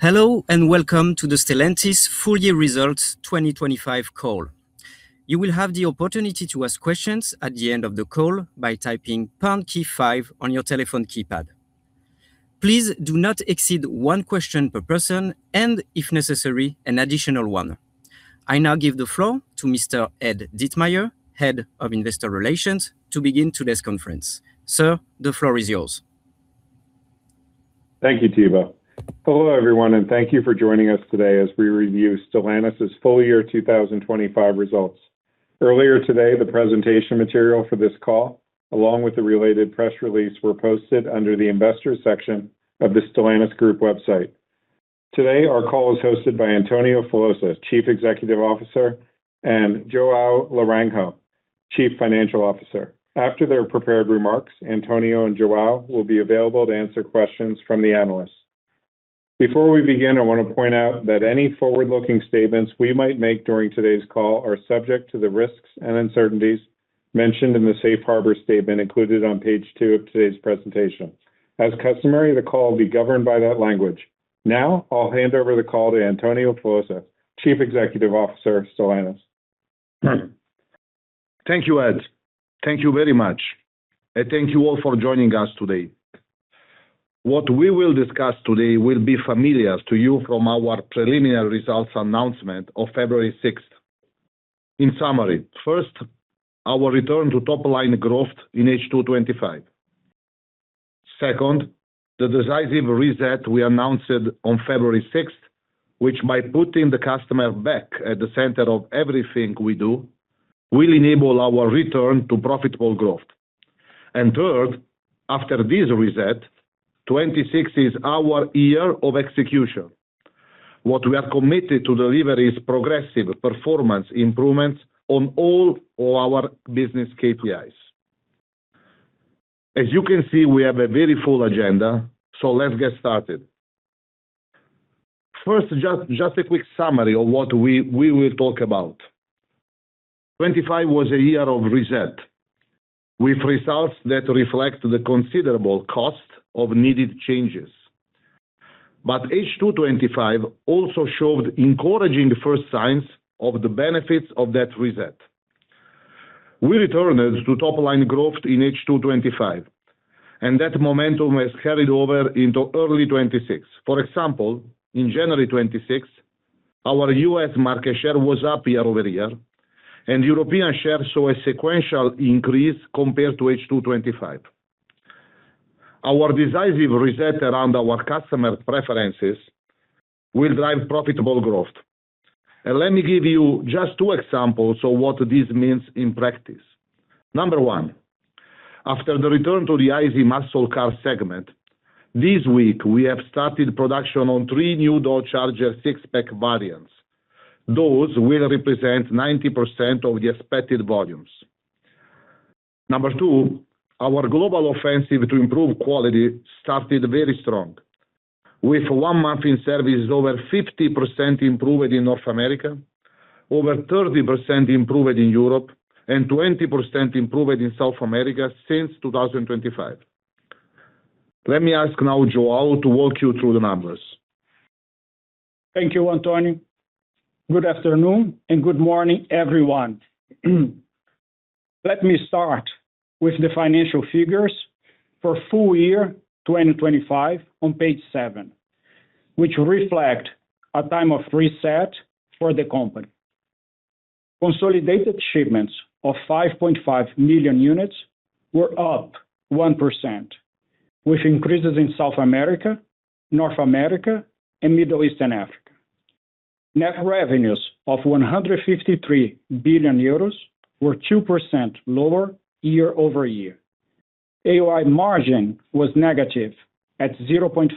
Hello, welcome to the Stellantis Full Year Results 2025 call. You will have the opportunity to ask questions at the end of the call by typing pound key five on your telephone keypad. Please do not exceed one question per person, and if necessary, an additional one. I now give the floor to Mr. Ed Ditmire, Head of Investor Relations, to begin today's conference. Sir, the floor is yours. Thank you, Thibault. Hello, everyone, and thank you for joining us today as we review Stellantis' Full year 2025 Results. Earlier today, the presentation material for this call, along with the related press release, were posted under the Investors section of the Stellantis Group website. Today, our call is hosted by Antonio Filosa, Chief Executive Officer, and Joao Laranjo, Chief Financial Officer. After their prepared remarks, Antonio and Joao will be available to answer questions from the analysts. Before we begin, I want to point out that any forward-looking statements we might make during today's call are subject to the risks and uncertainties mentioned in the safe harbor statement included on page 2 of today's presentation. As customary, the call will be governed by that language. I'll hand over the call to Antonio Filosa, Chief Executive Officer of Stellantis. Thank you, Ed. Thank you very much, and thank you all for joining us today. What we will discuss today will be familiar to you from our preliminary results announcement of February 6th. In summary, first, our return to top-line growth in H2 2025. Second, the decisive reset we announced on February 6th, which by putting the customer back at the center of everything we do, will enable our return to profitable growth. Third, after this reset, 2026 is our year of execution. What we are committed to deliver is progressive performance improvements on all of our business KPIs. As you can see, we have a very full agenda, so let's get started. First, just a quick summary of what we will talk about. 2025 was a year of reset, with results that reflect the considerable cost of needed changes. H2 2025 also showed encouraging the first signs of the benefits of that reset. We returned to top-line growth in H2 2025, and that momentum has carried over into early 2026. For example, in January 2026, our U.S. market share was up year-over-year, and European shares saw a sequential increase compared to H2 2025. Our decisive reset around our customer preferences will drive profitable growth. Let me give you just two examples of what this means in practice. Number one, after the return to the ICE muscle car segment, this week, we have started production on three new Dodge Charger SIXPACK variants. Those will represent 90% of the expected volumes. Number two, our global offensive to improve quality started very strong, with one month in service, over 50% improvement in North America, over 30% improvement in Europe, and 20% improvement in South America since 2025. Let me ask now, Joao, to walk you through the numbers. Thank you, Antonio. Good afternoon, and good morning, everyone. Let me start with the financial figures for full year 2025 on page 7, which reflect a time of reset for the company. Consolidated shipments of 5.5 million units were up 1%, with increases in South America, North America, and Middle East and Africa. Net revenues of 153 billion euros were 2% lower year-over-year. AOI margin was negative at 0.5%.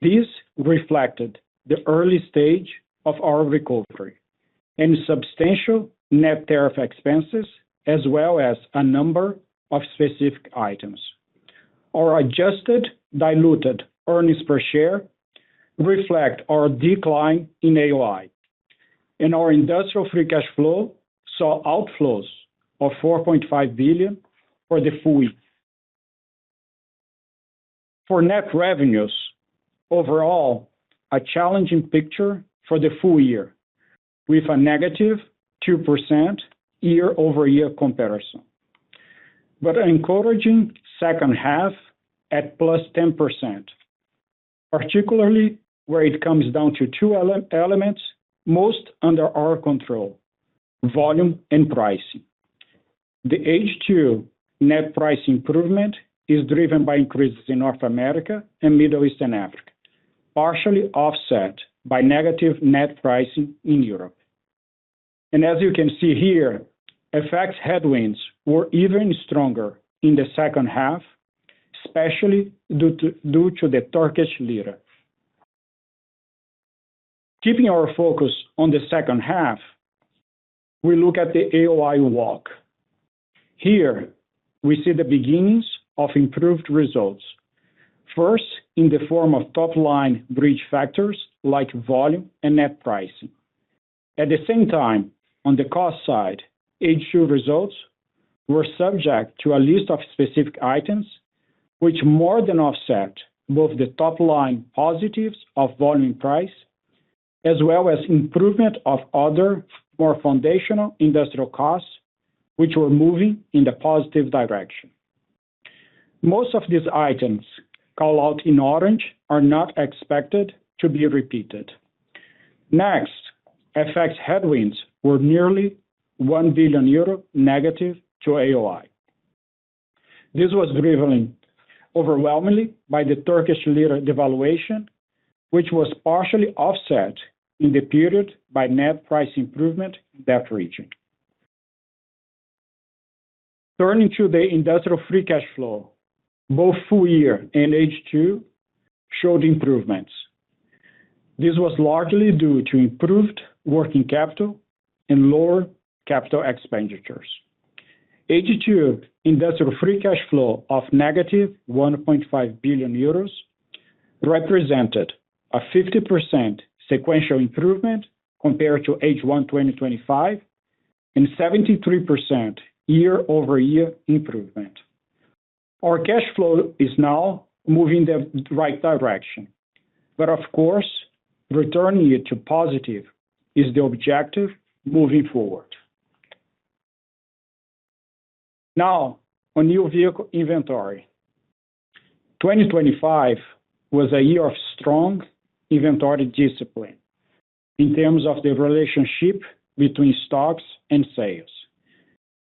This reflected the early stage of our recovery and substantial net tariff expenses, as well as a number of specific items. Our Adjusted Diluted Earnings Per Share reflect our decline in AOI, and our Industrial free cash flow saw outflows of 4.5 billion for the full week. For net revenues, overall, a challenging picture for the full year, with a negative 2% year-over-year comparison, encouraging second half at +10%, particularly where it comes down to two elements, most under our control: volume and pricing. The H2 net price improvement is driven by increases in North America and Middle East and Africa, partially offset by negative net pricing in Europe. As you can see here, FX headwinds were even stronger in the second half, especially due to the Turkish lira. Keeping our focus on the second half, we look at the AOI walk. Here, we see the beginnings of improved results. First, in the form of top-line bridge factors like volume and net pricing... At the same time, on the cost side, H2 results were subject to a list of specific items, which more than offset both the top line positives of volume price, as well as improvement of other more foundational industrial costs, which were moving in the positive direction. Most of these items, called out in orange, are not expected to be repeated. FX headwinds were nearly 1 billion euro negative to AOI. This was driven overwhelmingly by the Turkish lira devaluation, which was partially offset in the period by net price improvement in that region. Turning to the industrial free cash flow, both full year and H2 showed improvements. This was largely due to improved working capital and lower capital expenditures. H2 industrial free cash flow of negative 1.5 billion euros represented a 50% sequential improvement compared to H1, 2025, and 73% year-over-year improvement. Our cash flow is now moving the right direction, but of course, returning it to positive is the objective moving forward. On new vehicle inventory. 2025 was a year of strong inventory discipline in terms of the relationship between stocks and sales.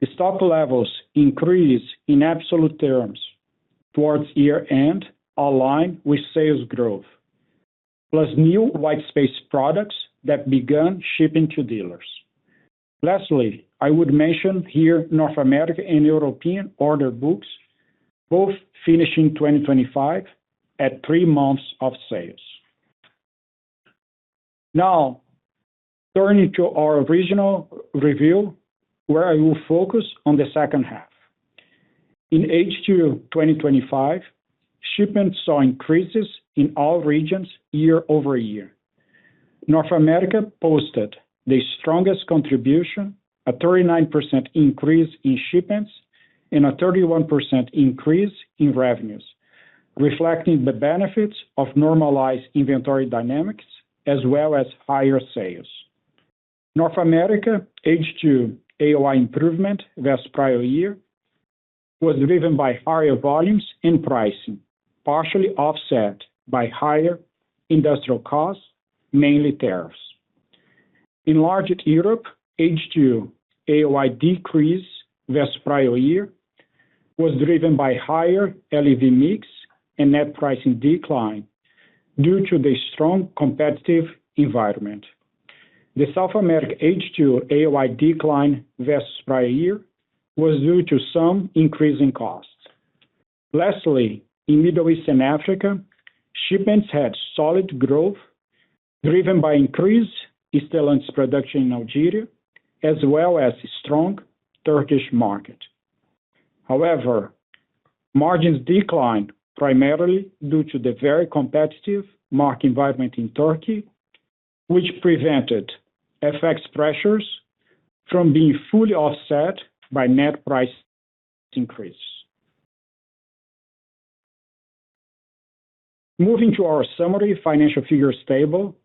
The stock levels increased in absolute terms towards year-end, aligned with sales growth, plus new white space products that began shipping to dealers. Lastly, I would mention here North America and European order books, both finishing 2025 at 3 months of sales. Turning to our regional review, where I will focus on the second half. In H2 2025, shipments saw increases in all regions year-over-year. North America posted the strongest contribution, a 39% increase in shipments and a 31% increase in revenues, reflecting the benefits of normalized inventory dynamics as well as higher sales. North America H2 AOI improvement versus prior year was driven by higher volumes and pricing, partially offset by higher industrial costs, mainly tariffs. In Enlarged Europe, H2 AOI decrease versus prior year was driven by higher LEV mix and net pricing decline due to the strong competitive environment. The South America H2 AOI decline versus prior year was due to some increase in costs. In Middle East and Africa, shipments had solid growth, driven by increased Stellantis production in Algeria, as well as strong Turkish market. Margins declined, primarily due to the very competitive market environment in Turkey, which prevented FX pressures from being fully offset by net price increase. Moving to our summary financial figures table,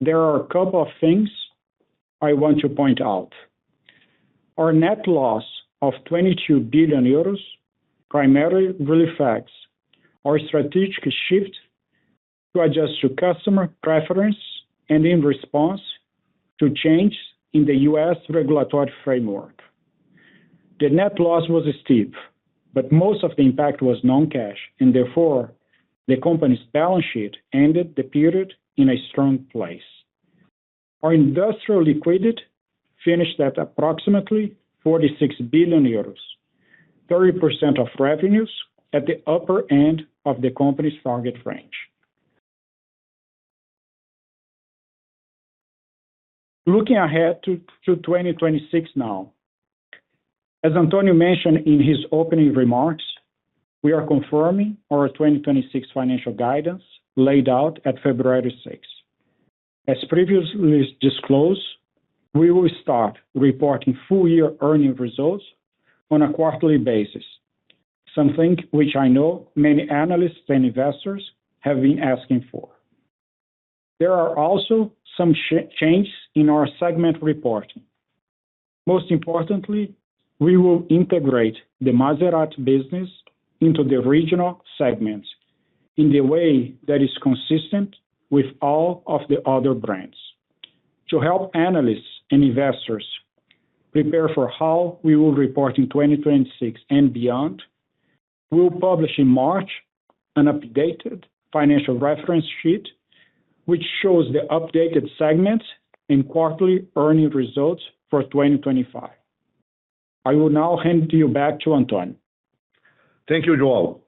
there are a couple of things I want to point out. Our net loss of 22 billion euros primarily reflects our strategic shift to adjust to customer preference and in response to changes in the U.S. regulatory framework. The net loss was steep, but most of the impact was non-cash. Therefore, the company's balance sheet ended the period in a strong place. Our industrial liquidity finished at approximately 46 billion euros, 30% of revenues at the upper end of the company's target range. Looking ahead to 2026 now. As Antonio mentioned in his opening remarks, we are confirming our 2026 financial guidance laid out at February sixth. As previously disclosed, we will start reporting full year earnings results on a quarterly basis, something which I know many analysts and investors have been asking for. There are also some changes in our segment reporting. Most importantly, we will integrate the Maserati business into the regional segments in the way that is consistent with all of the other brands. To help analysts and investors prepare for how we will report in 2026 and beyond, we'll publish in March an updated financial reference sheet, which shows the updated segments and quarterly earning results for 2025. I will now hand you back to Antonio. Thank you, Joao.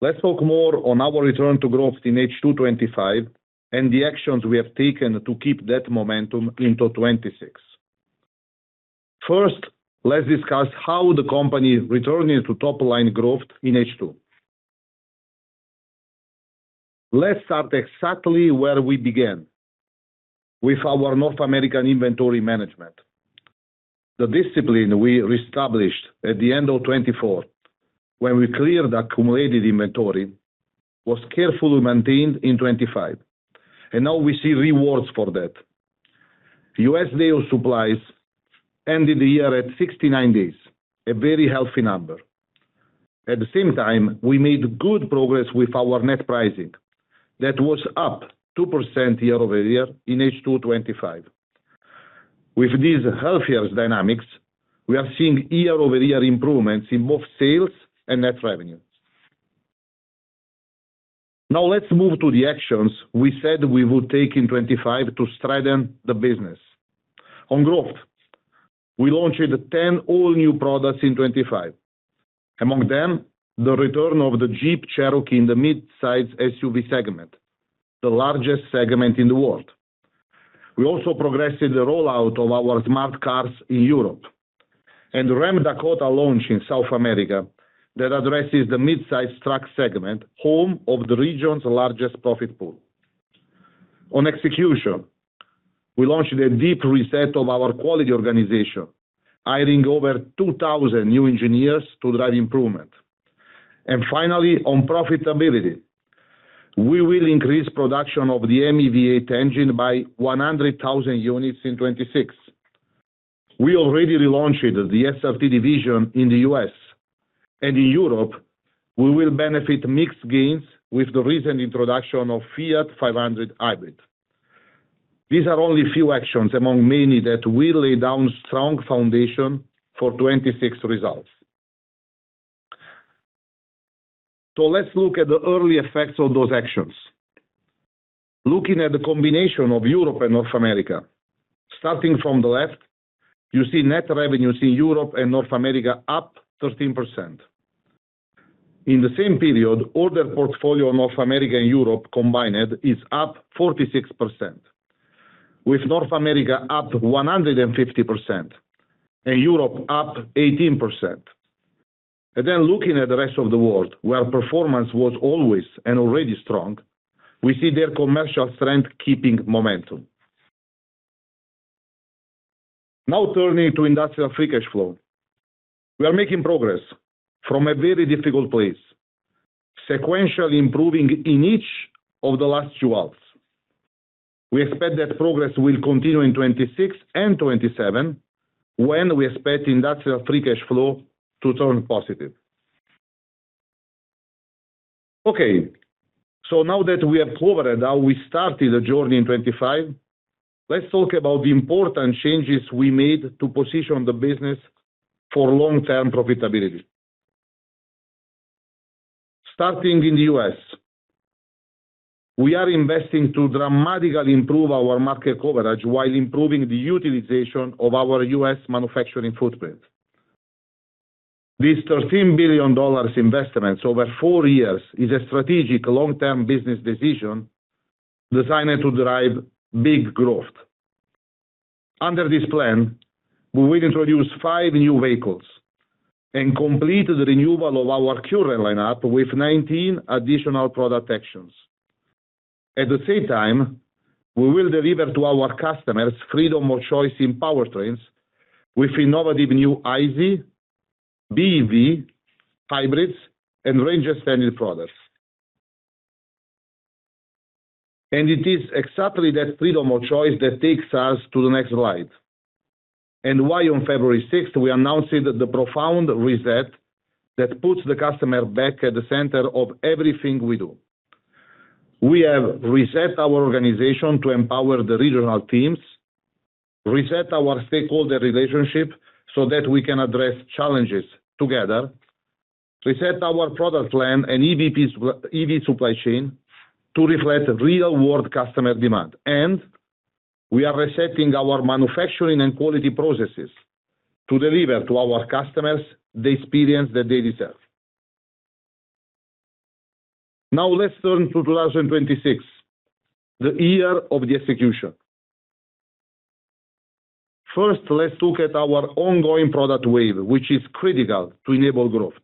Let's talk more on our return to growth in H2 2025 and the actions we have taken to keep that momentum into 2026. Let's discuss how the company is returning to top-line growth in H2. Let's start exactly where we began, with our North American inventory management. The discipline we reestablished at the end of 2024, when we cleared accumulated inventory, was carefully maintained in 2025. Now we see rewards for that. U.S. dealer supplies ended the year at 69 days, a very healthy number. At the same time, we made good progress with our net pricing. That was up 2% year-over-year in H2 2025. With these healthier dynamics, we are seeing year-over-year improvements in both sales and net revenues. Let's move to the actions we said we would take in 2025 to strengthen the business. On growth, we launched 10 all-new products in 2025. Among them, the return of the Jeep Cherokee in the mid-size SUV segment, the largest segment in the world. We also progressed in the rollout of our Smart Car platform in Europe, and the Ram Dakota launch in South America that addresses the mid-size truck segment, home of the region's largest profit pool. On execution, we launched a deep reset of our quality organization, hiring over 2,000 new engineers to drive improvement. Finally, on profitability, we will increase production of the HEMI V8 engine by 100,000 units in 2026. We already relaunched the SRT division in the U.S., and in Europe, we will benefit mixed gains with the recent introduction of Fiat 500 Hybrid. These are only a few actions among many that will lay down strong foundation for 2026 results. Let's look at the early effects of those actions. Looking at the combination of Europe and North America, starting from the left, you see net revenues in Europe and North America up 13%. In the same period, order portfolio, North America and Europe combined is up 46%, with North America up 150% and Europe up 18%. Looking at the rest of the world, where performance was always and already strong, we see their commercial strength keeping momentum. Now turning to industrial free cash flow. We are making progress from a very difficult place, sequentially improving in each of the last two halves. We expect that progress will continue in 2026 and 2027, when we expect industrial free cash flow to turn positive. Okay, now that we have covered how we started the journey in 25, let's talk about the important changes we made to position the business for long-term profitability. Starting in the U.S., we are investing to dramatically improve our market coverage while improving the utilization of our U.S. manufacturing footprint. This $13 billion investment over four years is a strategic long-term business decision designed to drive big growth. Under this plan, we will introduce 5 new vehicles and complete the renewal of our current lineup with 19 additional product actions. At the same time, we will deliver to our customers freedom of choice in powertrains with innovative new ICE, BEV, hybrids, and range-extended products. It is exactly that freedom of choice that takes us to the next slide, and why on February sixth, we are announcing the profound reset that puts the customer back at the center of everything we do. We have reset our organization to empower the regional teams, reset our stakeholder relationships so that we can address challenges together, reset our product plan and EV supply chain to reflect real-world customer demand, we are resetting our manufacturing and quality processes to deliver to our customers the experience that they deserve. Let's turn to 2026, the year of the execution. First, let's look at our ongoing product wave, which is critical to enable growth.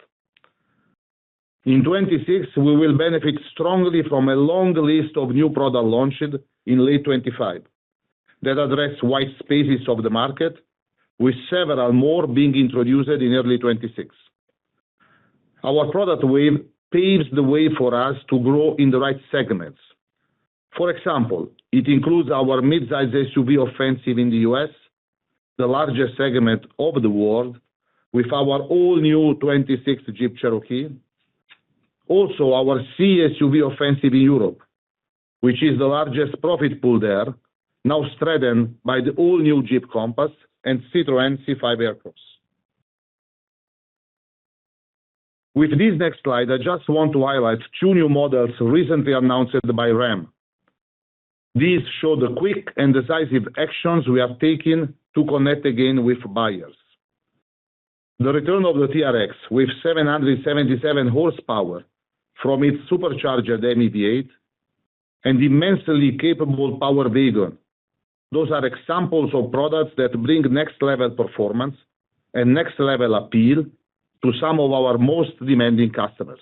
In 2026, we will benefit strongly from a long list of new product launches in late 2025 that address white space of the market, with several more being introduced in early 2026. Our product wave paves the way for us to grow in the right segments. For example, it includes our midsize SUV offensive in the U.S., the largest segment of the world, with our all-new 2026 Jeep Cherokee. Our C-SUV offensive in Europe, which is the largest profit pool there, now strengthened by the all-new Jeep Compass and Citroën C5 Aircross. With this next slide, I just want to highlight two new models recently announced by Ram. These show the quick and decisive actions we have taken to connect again with buyers. The return of the TRX, with 777 horsepower from its supercharged HEMI V8 and immensely capable Power Wagon. Those are examples of products that bring next-level performance and next-level appeal to some of our most demanding customers.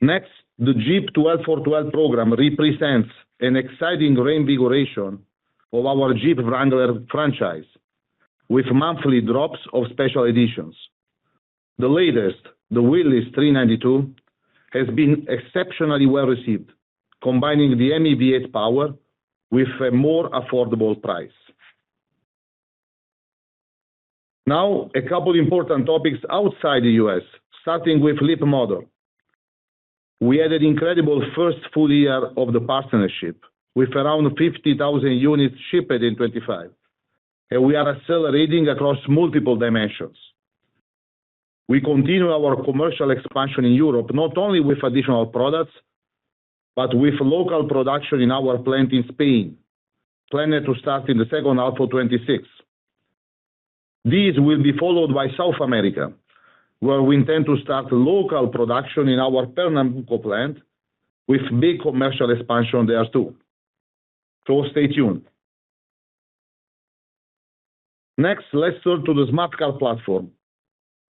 Next, the Jeep Twelve 4 Twelve represents an exciting reinvigoration of our Jeep Wrangler franchise, with monthly drops of special editions. The latest, the Willys 392, has been exceptionally well-received, combining the HEMI power with a more affordable price. Now, a couple important topics outside the U.S., starting with Leapmotor. We had an incredible first full year of the partnership, with around 50,000 units shipped in 2025, and we are accelerating across multiple dimensions. We continue our commercial expansion in Europe, not only with additional products, but with local production in our plant in Spain, planned to start in the second half of 2026. These will be followed by South America, where we intend to start local production in our Pernambuco plant, with big commercial expansion there, too. Stay tuned. Next, let's turn to the Smart Car platform.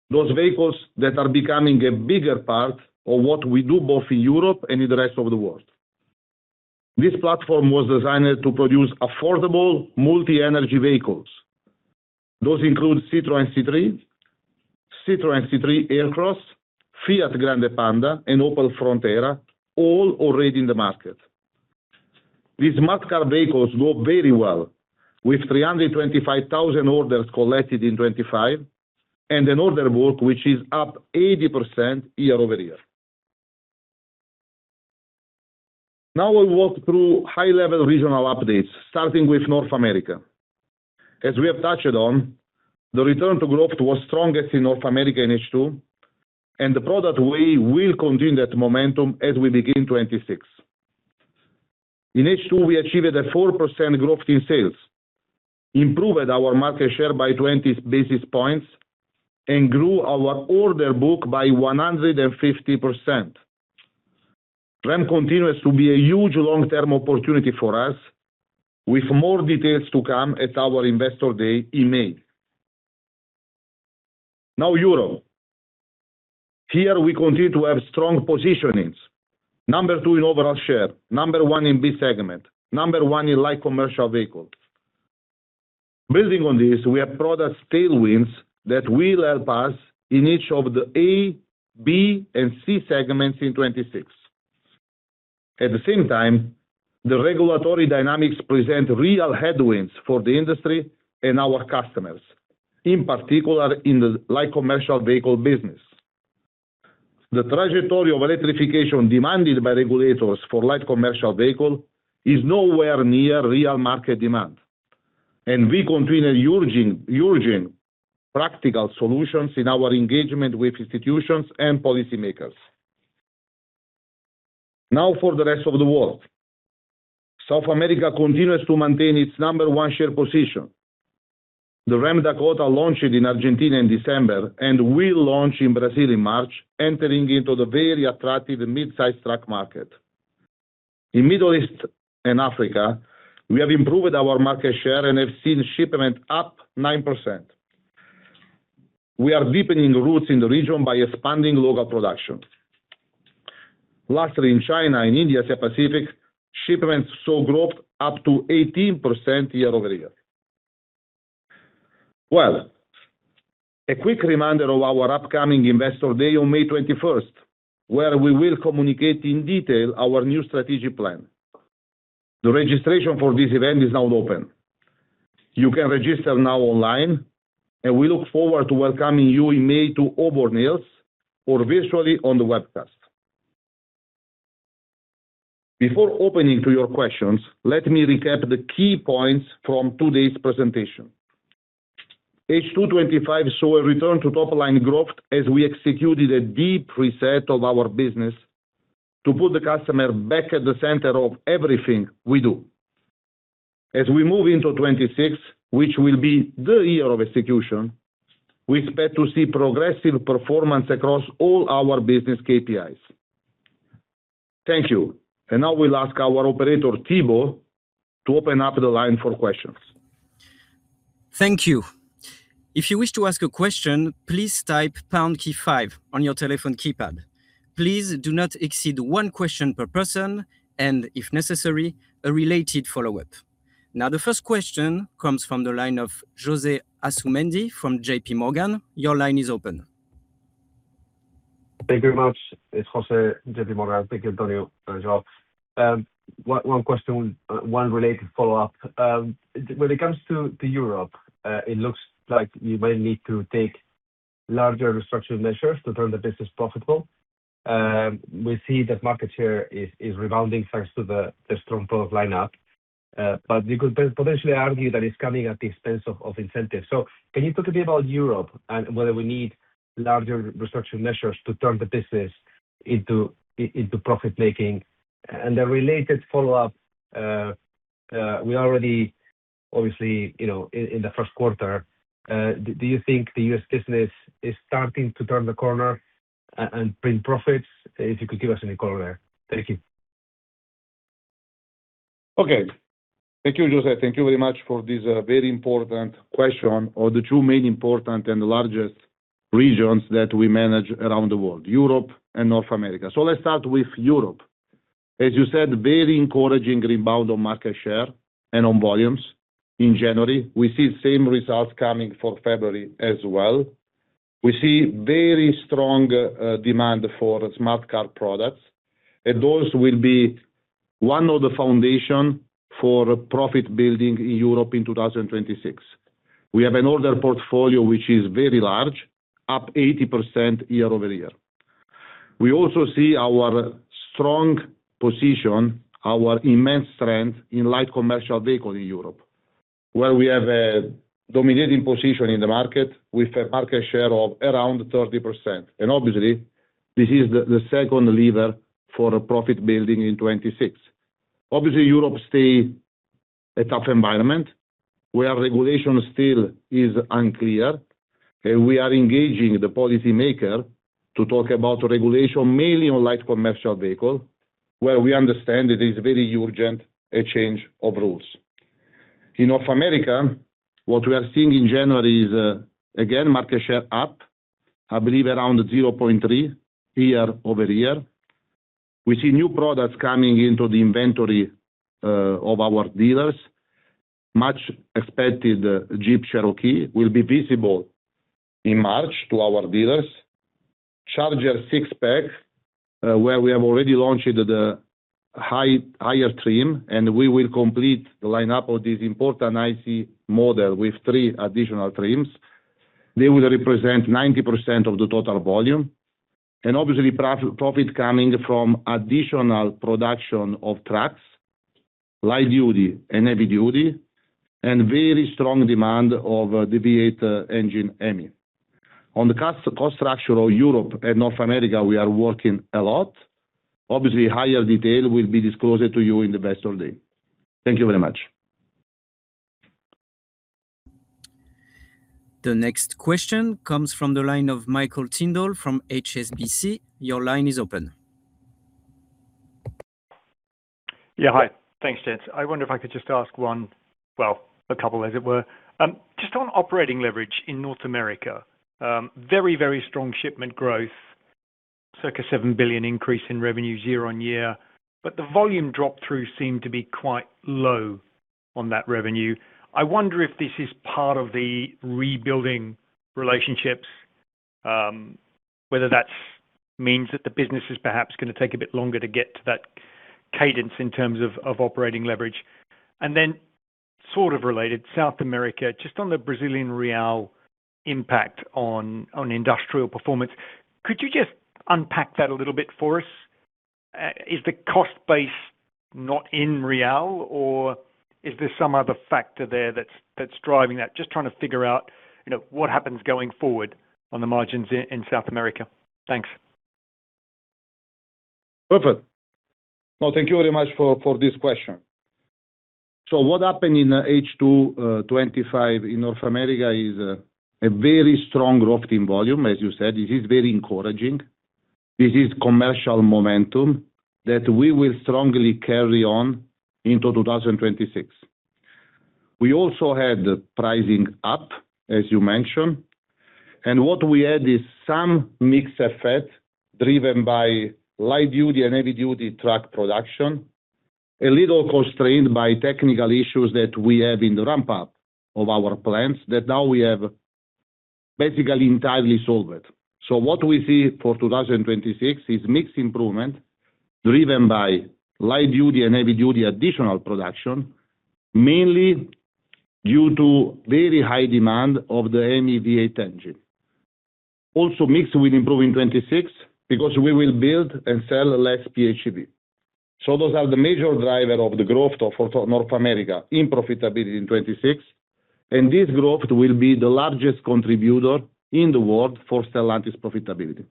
Those vehicles that are becoming a bigger part of what we do, both in Europe and in the rest of the world. This platform was designed to produce affordable, multi-energy vehicles. Those include Citroën C3, Citroën C3 Aircross, Fiat Grande Panda and Opel Frontera, all already in the market. These Smart Car vehicles go very well, with 325,000 orders collected in 2025, and an order book which is up 80% year-over-year. Now we'll walk through high-level regional updates, starting with North America. As we have touched on, the return to growth was strongest in North America in H2. The product wave will continue that momentum as we begin 2026. In H2, we achieved a 4% growth in sales, improved our market share by 20 basis points, and grew our order book by 150%. Ram continues to be a huge long-term opportunity for us, with more details to come at our Investor Day in May. Europe. Here we continue to have strong positionings. Number two in overall share, Number one in B-segment, Number one in Light Commercial Vehicles. Building on this, we have product tailwinds that will help us in each of the A-, B-, and C-segments in 2026. At the same time, the regulatory dynamics present real headwinds for the industry and our customers, in particular, in the Light Commercial Vehicle business. The trajectory of electrification demanded by regulators for Light Commercial vehicle is nowhere near real market demand, we continue urging practical solutions in our engagement with institutions and policymakers. For the rest of the world. South America continues to maintain its number one share position. The Ram Dakota launched in Argentina in December and will launch in Brazil in March, entering into the very attractive mid-size truck market. In Middle East and Africa, we have improved our market share and have seen shipment up 9%. We are deepening roots in the region by expanding local production. Lastly, in China and India, Asia Pacific, shipments saw growth up to 18% year-over-year. A quick reminder of our upcoming Investor Day on May 21st, where we will communicate in detail our new strategic plan. The registration for this event is now open. You can register now online, we look forward to welcoming you in May to Auburn Hills or virtually on the webcast. Before opening to your questions, let me recap the key points from today's presentation. H2 2025 saw a return to top-line growth as we executed a deep reset of our business to put the customer back at the center of everything we do. As we move into 2026, which will be the year of execution, we expect to see progressive performance across all our business KPIs. Thank you. Now we'll ask our operator, Thibault, to open up the line for questions. Thank you. If you wish to ask a question, please type pound key five on your telephone keypad. Please do not exceed one question per person and, if necessary, a related follow-up. The first question comes from the line of José Asumendi from JPMorgan. Your line is open. Thank you very much. It's José, JPMorgan. Thank you, Antonio, very well. one question, one related follow-up. When it comes to Europe, it looks like you might need to take larger restructuring measures to turn the business profitable. We see that market share is rebounding, thanks to the strong product lineup. You could potentially argue that it's coming at the expense of incentives. Can you talk a bit about Europe and whether we need larger restructuring measures to turn the business into profit-making? A related follow-up, obviously, you know, in the first quarter, do you think the U.S. business is starting to turn the corner and bring profits? If you could give us any color there. Thank you. Okay. Thank you, José. Thank you very much for this very important question on the two main important and the largest regions that we manage around the world, Europe and North America. Let's start with Europe. As you said, very encouraging rebound on market share and on volumes in January. We see same results coming for February as well. We see very strong demand for STLA AutoDrive products, and those will be one of the foundation for profit building in Europe in 2026. We have an order portfolio, which is very large, up 80% year-over-year. We also see our strong position, our immense strength in Light Commercial Vehicles in Europe, where we have a dominating position in the market with a market share of around 30%. Obviously, this is the second lever for profit building in 2026. Obviously, Europe stay a tough environment, where regulation still is unclear, and we are engaging the policymaker to talk about regulation, mainly on Light Commercial Vehicle, where we understand it is very urgent, a change of rules. In North America, what we are seeing in January is again, market share up, I believe, around 0.3 year-over-year. We see new products coming into the inventory of our dealers. Much expected Jeep Cherokee will be visible in March to our dealers. Charger SIXPACK, where we have already launched the higher trim, and we will complete the lineup of this important ICE model with 3 additional trims. They will represent 90% of the total volume, and obviously, profit coming from additional production of trucks, light duty and heavy duty, and very strong demand of the V8 engine HEMI. On the cost structure of Europe and North America, we are working a lot. Obviously, higher detail will be disclosed to you in the investor day. Thank you very much. The next question comes from the line of Mike Tyndall from HSBC. Your line is open. Yeah, hi. Thanks, gents. I wonder if I could just ask one. well, a couple, as it were. Just on operating leverage in North America, very, very strong shipment growth, circa $7 billion increase in revenues year-on-year, but the volume drop-through seemed to be quite low on that revenue. I wonder if this is part of the rebuilding relationships, whether that's means that the business is perhaps going to take a bit longer to get to that cadence in terms of operating leverage. Then, sort of related, South America, just on the Brazilian real impact on industrial performance, could you just unpack that a little bit for us? Is the cost base not in real, or is there some other factor there that's driving that? Just trying to figure out, you know, what happens going forward on the margins in South America. Thanks. Perfect. Well, thank you very much for this question. What happened in H2 25 in North America is a very strong growth in volume. As you said, this is very encouraging. This is commercial momentum that we will strongly carry on into 2026. We also had pricing up, as you mentioned, and what we had is some mix effect driven by light duty and heavy duty truck production. A little constrained by technical issues that we have in the ramp-up of our plants, that now we have basically entirely solved. What we see for 2026 is mix improvement driven by light duty and heavy duty additional production, mainly due to very high demand of the HEMI V8 engine. Also, mix will improve in 26 because we will build and sell less PHEV. Those are the major driver of the growth of North America in profitability in 2026, and this growth will be the largest contributor in the world for Stellantis profitability.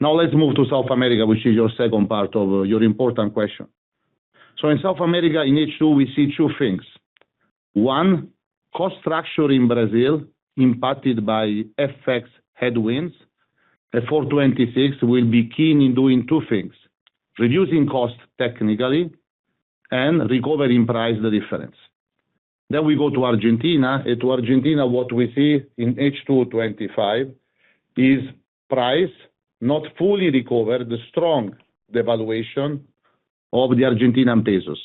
Now, let's move to South America, which is your second part of your important question. In South America, in H2, we see 2 things. One, cost structure in Brazil, impacted by FX headwinds. At 2026, we'll be keen in doing 2 things: reducing costs technically and recovering price difference. We go to Argentina. To Argentina, what we see in H2 2025 is price not fully recover the strong devaluation of the Argentinian pesos.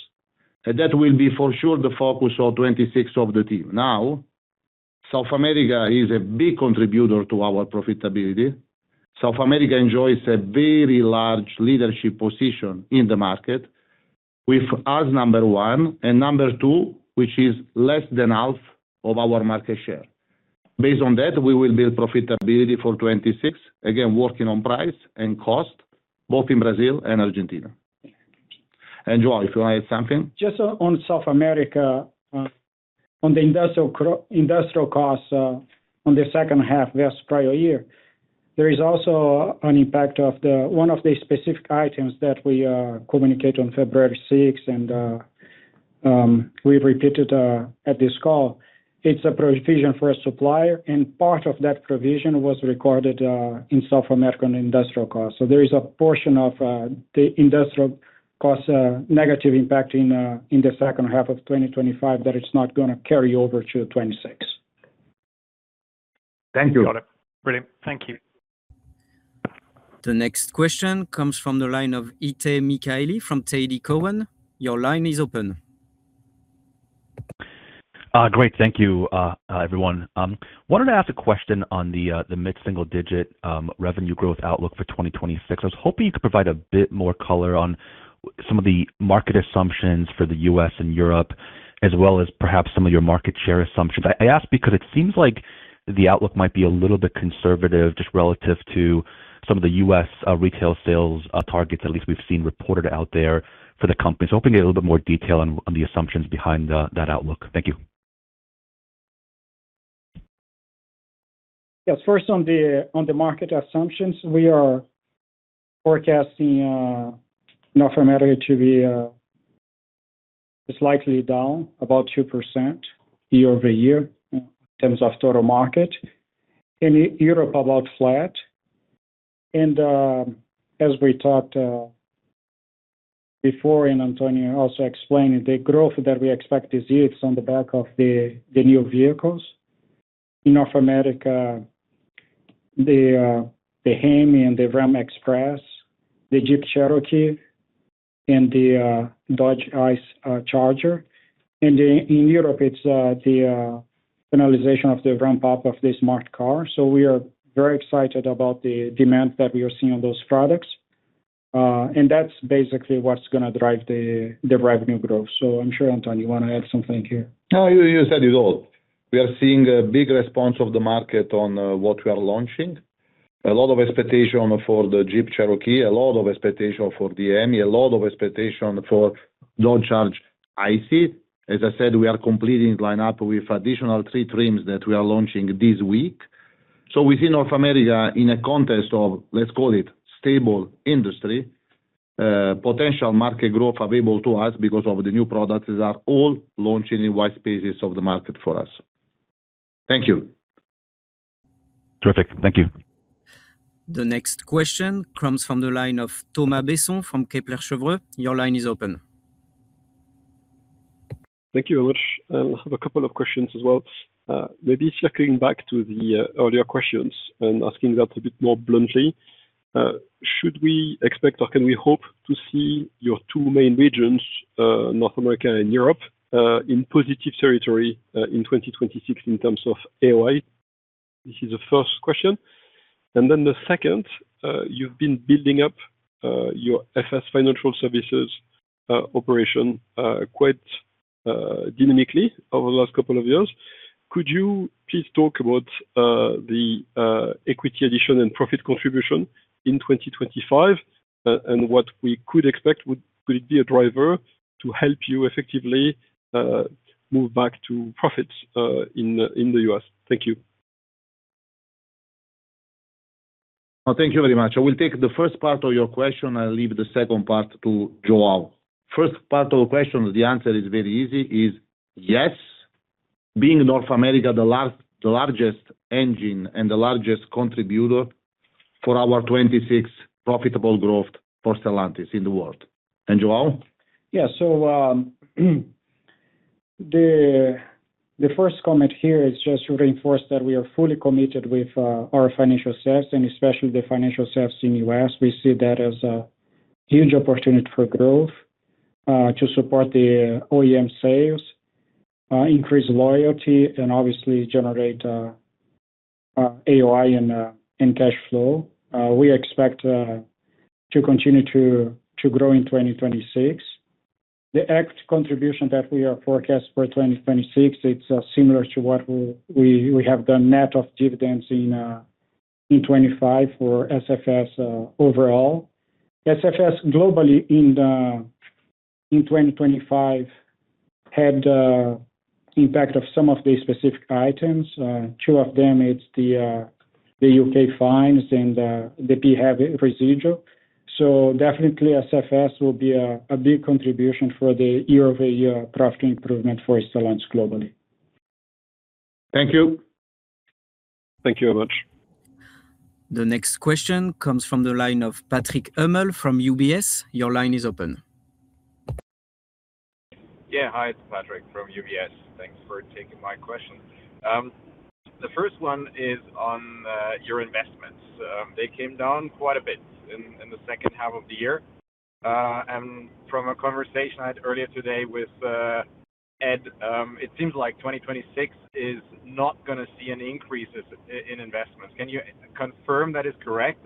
That will be for sure the focus of 2026 of the team. Now, South America is a big contributor to our profitability. South America enjoys a very large leadership position in the market, with us number one and number two, which is less than half of our market share. Based on that, we will build profitability for 2026. Working on price and cost, both in Brazil and Argentina. Joao, if you want to add something. Just on South America, on the industrial costs, on the second half versus prior year. There is also an impact of the, one of the specific items that we communicate on February 6, and we repeated at this call. It's a provision for a supplier, and part of that provision was recorded in South American industrial costs. There is a portion of the industrial cost negative impact in the second half of 2025, that it's not gonna carry over to 2026. Thank you. Got it. Brilliant. Thank you. The next question comes from the line of Itay Michaeli from TD Cowen. Your line is open. Great. Thank you, everyone. Wanted to ask a question on the mid-single digit revenue growth outlook for 2026. I was hoping you could provide a bit more color on some of the market assumptions for the U.S. and Europe, as well as perhaps some of your market share assumptions. I ask because it seems like the outlook might be a little bit conservative, just relative to some of the U.S. retail sales targets, at least we've seen reported out there for the companies. Hoping to get a little bit more detail on the assumptions behind that outlook. Thank you. Yes, first, on the market assumptions, we are forecasting North America. It's likely down about 2% year-over-year in terms of total market. In Europe, about flat. As we talked before, Antonio also explained, the growth that we expect to see is on the back of the new vehicles. In North America, the Hemi and the Ram Express, the Jeep Cherokee and the Dodge ICE Charger. In Europe, it's the finalization of the ramp-up of the Smart Car, so we are very excited about the demand that we are seeing on those products. That's basically what's gonna drive the revenue growth. I'm sure, Antonio, you want to add something here? No, you said it all. We are seeing a big response of the market on what we are launching. A lot of expectation for the Jeep Cherokee, a lot of expectation for the HEMI, a lot of expectation for Dodge Charger ICE. As I said, we are completing the lineup with additional three trims that we are launching this week. Within North America, in a context of, let's call it, stable industry, potential market growth available to us because of the new products are all launching in white spaces of the market for us. Thank you. Terrific. Thank you. The next question comes from the line of Thomas Besson from Kepler Cheuvreux. Your line is open. Thank you very much. I have a couple of questions as well. Maybe circling back to the earlier questions and asking that a bit more bluntly, should we expect or can we hope to see your two main regions, North America and Europe, in positive territory in 2026 in terms of AOI? This is the first question. The second, you've been building up your SFS, Financial Services, operation quite dynamically over the last couple of years. Could you please talk about the equity addition and profit contribution in 2025, and what we could expect, could it be a driver to help you effectively move back to profits in the U.S.? Thank you. Well, thank you very much. I will take the first part of your question. I'll leave the second part to Joao. First part of the question, the answer is very easy, is yes. Being North America, the largest engine and the largest contributor for our 2026 profitable growth for Stellantis in the world. Joao? Yeah. So, the first comment here is just to reinforce that we are fully committed with our financial services and especially the financial services in U.S. We see that as a huge opportunity for growth, to support the OEM sales, increase loyalty, and obviously generate AOI and cash flow. We expect to continue to grow in 2026. The ACT contribution that we are forecast for 2026, it's similar to what we have done net of dividends in 2025 for SFS overall. SFS globally in 2025 had impact of some of the specific items. Two of them, it's the U.K. fines and the behavior procedural. Definitely SFS will be a big contribution for the year-over-year profit improvement for Stellantis globally. Thank you. Thank you very much. The next question comes from the line of Patrick Hummel from UBS. Your line is open. Yeah. Hi, it's Patrick from UBS. Thanks for taking my question. The first one is on your investments. They came down quite a bit in the second half of the year. From a conversation I had earlier today with Ed, it seems like 2026 is not gonna see an increase in investments. Can you confirm that is correct?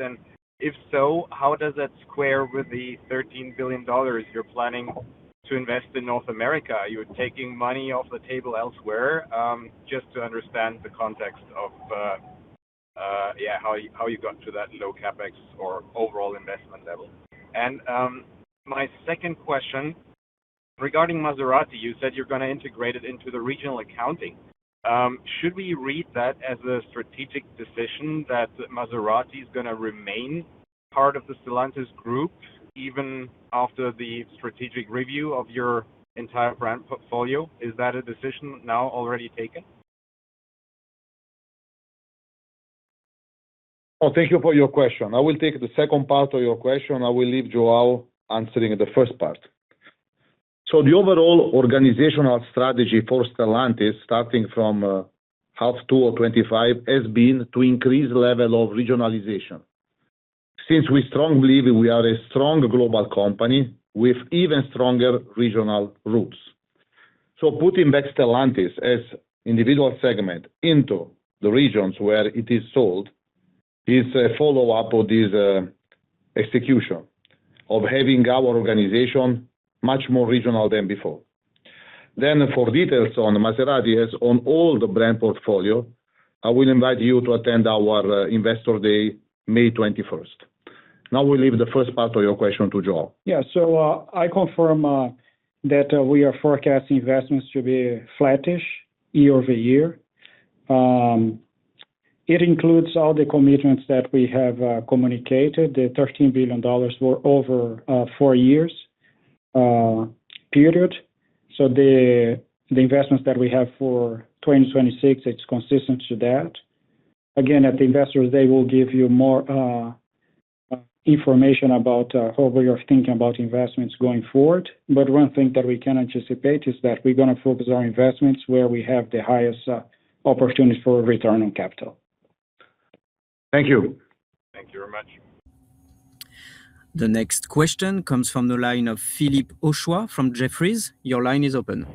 If so, how does that square with the $13 billion you're planning to invest in North America? Are you taking money off the table elsewhere? Just to understand the context of, yeah, how you, how you got to that low CapEx or overall investment level. My second question. Regarding Maserati, you said you're going to integrate it into the regional accounting. Should we read that as a strategic decision that Maserati is going to remain part of the Stellantis group, even after the strategic review of your entire brand portfolio? Is that a decision now already taken? Oh, thank you for your question. I will take the second part of your question. I will leave Joao answering the first part. The overall organizational strategy for Stellantis, starting from H2 2025, has been to increase level of regionalization. Since we strongly believe we are a strong global company with even stronger regional roots. Putting back Stellantis as individual segment into the regions where it is sold, is a follow-up of this execution, of having our organization much more regional than before. For details on Maserati, as on all the brand portfolio, I will invite you to attend our Investor Day, May 21st. Now, we leave the first part of your question to Joao. I confirm that we are forecasting investments to be flattish year-over-year. It includes all the commitments that we have communicated. The $13 billion were over a four-year period. The investments that we have for 2026, it's consistent to that. At the Investors Day, we'll give you more information about how we are thinking about investments going forward. One thing that we can anticipate is that we're going to focus our investments where we have the highest opportunity for return on capital. Thank you. Thank you very much. The next question comes from the line of Philippe Houchois from Jefferies. Your line is open.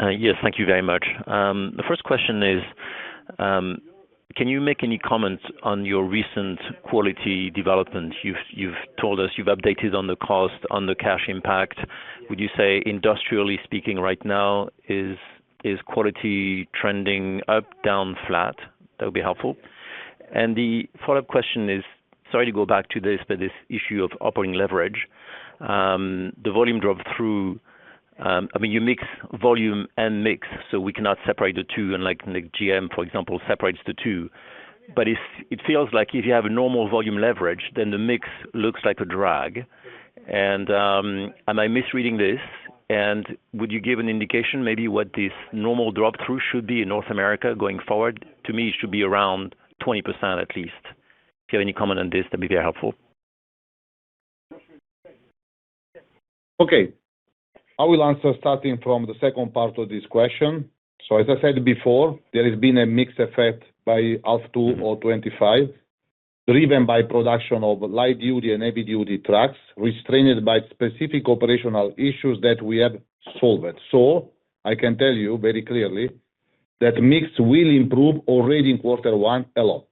Yes, thank you very much. The first question is, can you make any comments on your recent quality development? You've told us, you've updated on the cost, on the cash impact. Would you say, industrially speaking right now, is quality trending up, down, flat? That would be helpful. The follow-up question is... sorry, to go back to this, but this issue of operating leverage, the volume drop through, I mean, you mix volume and mix, so we cannot separate the two, unlike GM, for example, separates the two. It feels like if you have a normal volume leverage, then the mix looks like a drag. Am I misreading this? And would you give an indication maybe what this normal drop-through should be in North America going forward? To me, it should be around 20% at least. If you have any comment on this, that'd be very helpful. Okay, I will answer starting from the second part of this question. As I said before, there has been a mixed effect by H2 or 2025, driven by production of light-duty and heavy-duty trucks, restrained by specific operational issues that we have solved. I can tell you very clearly, that mix will improve already in quarter one a lot.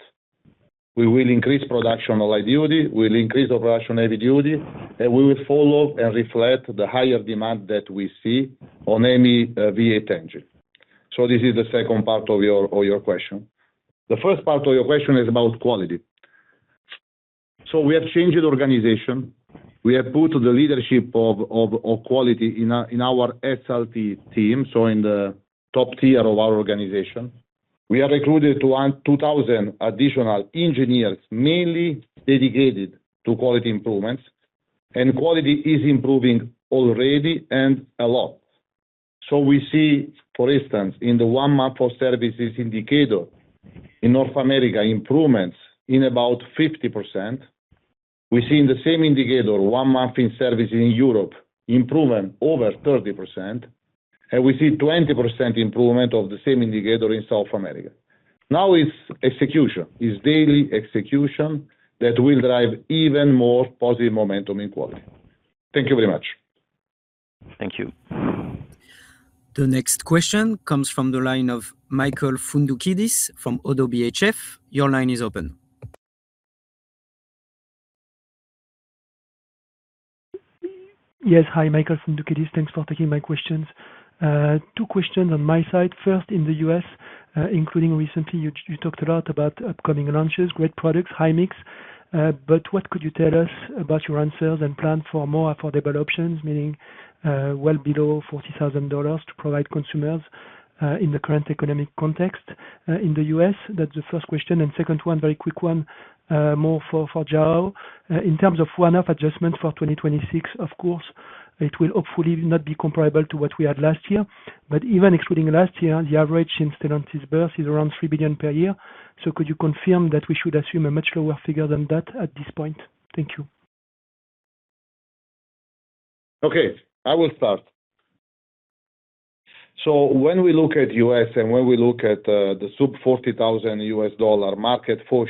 We will increase production on light duty, we'll increase production on heavy duty, and we will follow and reflect the higher demand that we see on HEMI V8 engine. This is the second part of your question. The first part of your question is about quality. We have changed the organization. We have put the leadership of quality in our SLT team, so in the top tier of our organization. We have recruited 2,000 additional engineers, mainly dedicated to quality improvements, and quality is improving already, and a lot. We see, for instance, in the one month of services indicator in North America, improvements in about 50%. We see in the same indicator, one month in service in Europe, improvement over 30%. We see 20% improvement of the same indicator in South America. It's execution, it's daily execution that will drive even more positive momentum in quality. Thank you very much. Thank you. The next question comes from the line of Michael Foundoukidis from Oddo BHF. Your line is open. Yes. Hi, Michael Foundoukidis. Thanks for taking my questions. Two questions on my side. First, in the U.S., including recently, you talked a lot about upcoming launches, great products, high mix, but what could you tell us about your own sales and plan for more affordable options, meaning, well below $40,000 to provide consumers in the current economic context in the U.S.? That's the first question. Second one, very quick one, more for Joao. In terms of one-off adjustment for 2026, of course, it will hopefully not be comparable to what we had last year. Even excluding last year, the average in Stellantis birth is around 3 billion per year. Could you confirm that we should assume a much lower figure than that at this point? Thank you. I will start. When we look at U.S. and when we look at the sub $40,000 U.S. dollar market, for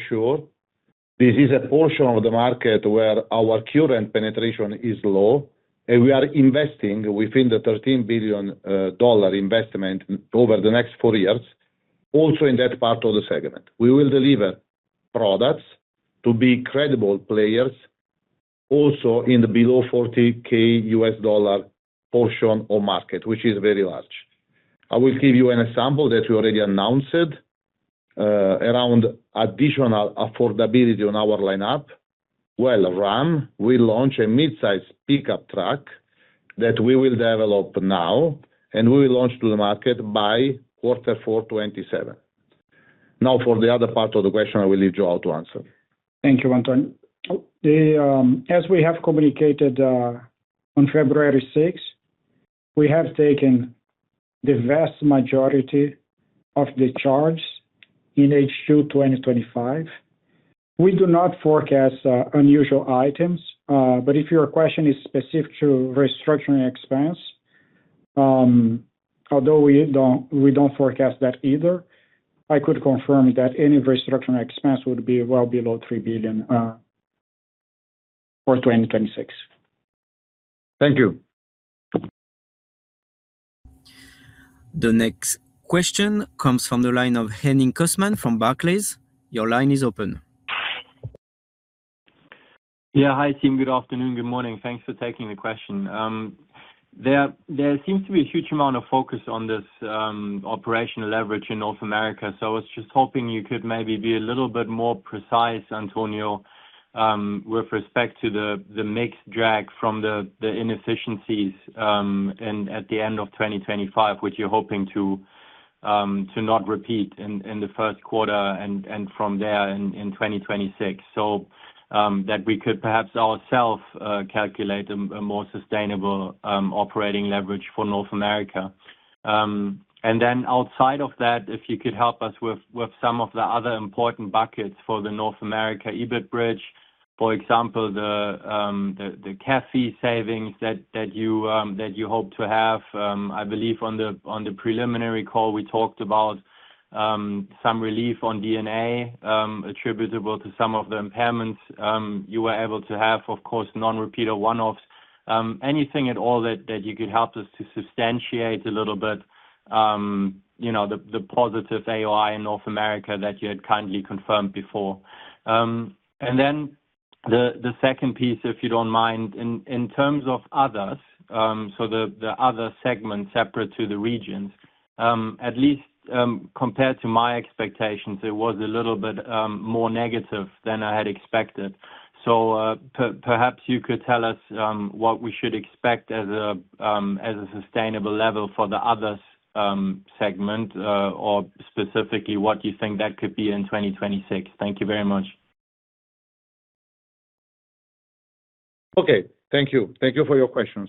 sure, this is a portion of the market where our current penetration is low, and we are investing within the $13 billion dollar investment over the next four years, also in that part of the segment. We will deliver products to be credible players also in the below $40K U.S. dollar portion or market, which is very large. I will give you an example that we already announced around additional affordability on our lineup. Well, Ram, we launch a mid-size pickup truck that we will develop now, and we will launch to the market by Q4 2027. For the other part of the question, I will leave Joao to answer. Thank you, Antonio. The, as we have communicated, on February 6th, we have taken the vast majority of the charge in H2 2025. We do not forecast unusual items, but if your question is specific to restructuring expense, although we don't, we don't forecast that either, I could confirm that any restructuring expense would be well below 3 billion for 2026. Thank you. The next question comes from the line of Henning Cosman from Barclays. Your line is open. Yeah. Hi, team. Good afternoon. Good morning. Thanks for taking the question. There seems to be a huge amount of focus on this operational leverage in North America. I was just hoping you could maybe be a little bit more precise, Antonio, with respect to the mix drag from the inefficiencies, and at the end of 2025, which you're hoping to not repeat in the first quarter and from there in 2026, so that we could perhaps ourself calculate a more sustainable operating leverage for North America. Then outside of that, if you could help us with some of the other important buckets for the North America EBIT bridge, for example, the CAFE savings that you hope to have? I believe on the, on the preliminary call, we talked about some relief on DNA, attributable to some of the impairments, you were able to have, of course, non-repeater one-offs. Anything at all that you could help us to substantiate a little bit, you know, the positive AOI in North America that you had kindly confirmed before? Then the second piece, if you don't mind, in terms of others, so the other segment separate to the regions. At least, compared to my expectations, it was a little bit more negative than I had expected. Perhaps you could tell us what we should expect as a sustainable level for the others segment, or specifically, what you think that could be in 2026. Thank you very much. Okay. Thank you. Thank you for your question.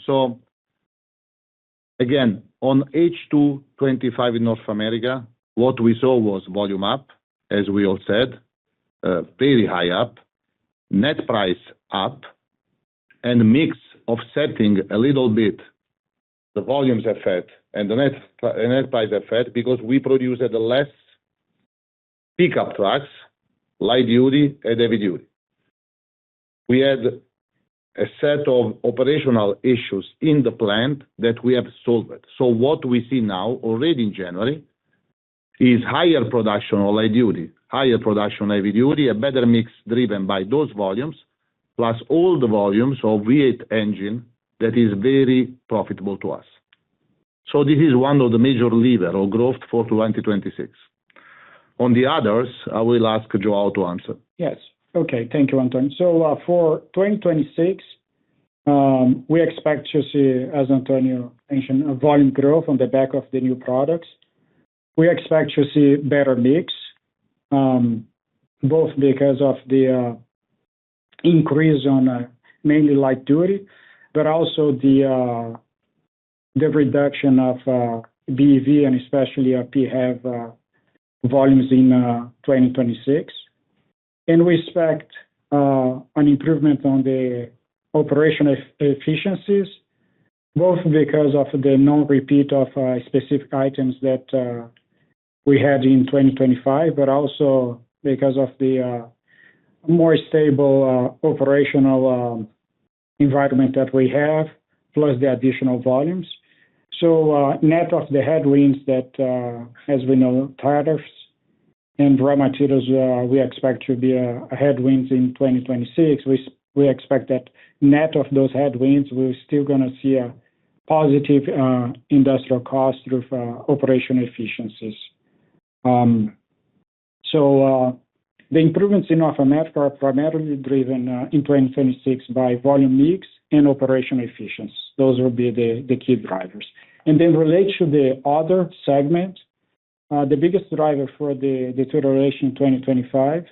Again, on H2 2025 in North America, what we saw was volume up, as we all said, very high up, net price up, and mix of setting a little bit the volumes effect and net price effect, because we produced less pickup trucks, light duty and heavy duty. We had a set of operational issues in the plant that we have solved. What we see now, already in January, is higher production on light duty, higher production on heavy duty, a better mix driven by those volumes, plus all the volumes of V8 engine that is very profitable to us. This is one of the major lever or growth for 2026. On the others, I will ask Joao to answer. Yes. Okay. Thank you, Antonio. For 2026, we expect to see, as Antonio mentioned, a volume growth on the back of the new products. We expect to see better mix, both because of the increase on mainly light duty, but also the reduction of BEV and especially our PHEV volumes in 2026. We expect an improvement on the operational efficiencies, both because of the non-repeat of specific items that we had in 2025, but also because of the more stable operational environment that we have, plus the additional volumes. Net of the headwinds that, as we know, tires and raw materials, we expect to be a headwinds in 2026. We expect that net of those headwinds, we're still gonna see a positive industrial cost through operational efficiencies. The improvements in North America are primarily driven in 2026 by volume mix and operational efficiencies. Those will be the key drivers. Relate to the other segment, the biggest driver for the deterioration in 2025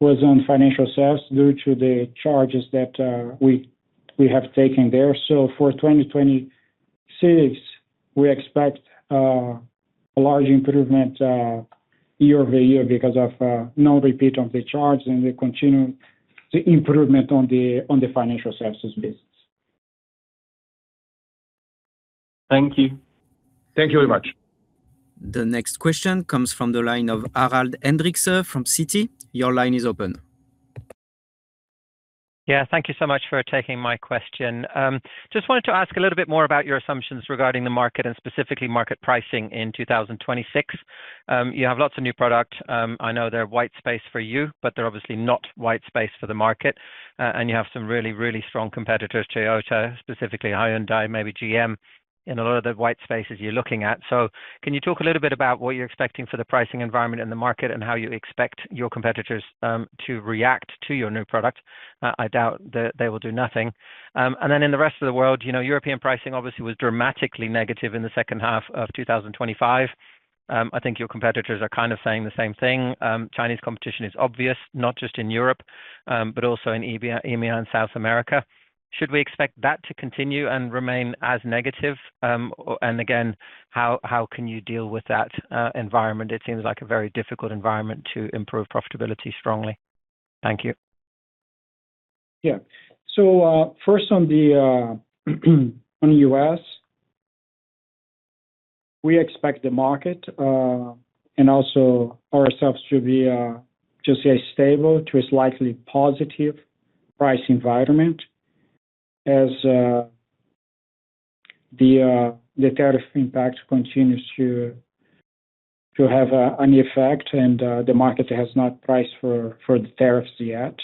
was on financial sales due to the charges that we have taken there. For 2026, we expect a large improvement year-over-year because of no repeat of the charge and the continuing improvement on the financial services business. Thank you. Thank you very much. The next question comes from the line of Harald Hendrikse from Citi. Your line is open. Yeah, thank you so much for taking my question. Just wanted to ask a little bit more about your assumptions regarding the market, and specifically market pricing in 2026. You have lots of new product. I know they're white space for you, but they're obviously not white space for the market. You have some really, really strong competitors, Toyota, specifically Hyundai, maybe GM, in a lot of the white spaces you're looking at. So can you talk a little bit about what you're expecting for the pricing environment in the market, and how you expect your competitors to react to your new product? I doubt that they will do nothing. In the rest of the world, you know, European pricing obviously was dramatically negative in the second half of 2025. I think your competitors are kind of saying the same thing. Chinese competition is obvious, not just in Europe, but also in EMEA, and South America. Should we expect that to continue and remain as negative? Again, how can you deal with that environment? It seems like a very difficult environment to improve profitability strongly. Thank you. Yeah. First, on the U.S., we expect the market and also ourselves to be just a stable to a slightly positive price environment as the tariff impact continues to have any effect, and the market has not priced for the tariffs yet.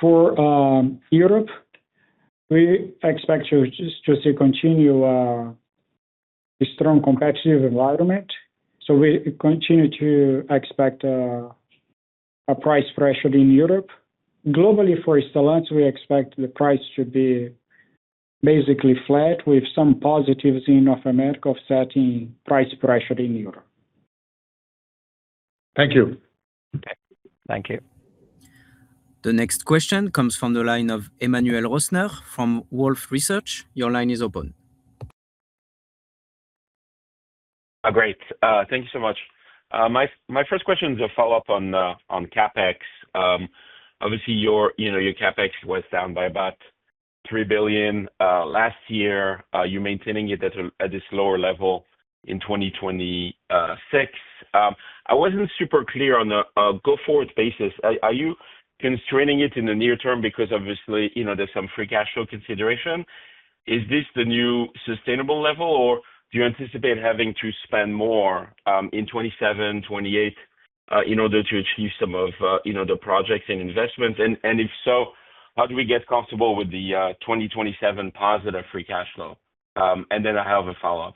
For Europe, we expect to continue a strong competitive environment. We continue to expect a price pressure in Europe. Globally, for Stellantis, we expect the price to be basically flat, with some positives in North America offsetting price pressure in Europe. Thank you. Thank you. The next question comes from the line of Emmanuel Rosner from Wolfe Research. Your line is open. Oh, great. Thank you so much. My first question is a follow-up on CapEx. Obviously, your, you know, your CapEx was down by about 3 billion last year. You're maintaining it at this lower level in 2026. I wasn't super clear on the go-forward basis. Are you constraining it in the near term? Because obviously, you know, there's some free cash flow consideration. Is this the new sustainable level, or do you anticipate having to spend more in 2027, 2028 in order to achieve some of, you know, the projects and investments? If so, how do we get comfortable with the 2027 positive free cash flow? I have a follow-up.